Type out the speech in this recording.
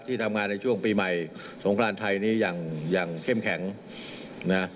ทำงานในช่วงปีใหม่สงครานไทยนี้อย่างอย่างเข้มแข็งนะ